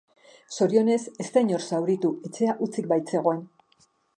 Zorionez, ez da inor zauritu, etxea hutsik baitzegoen.